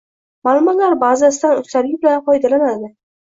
Ma’lumotlar bazasidan ustalik bilan foydalanadi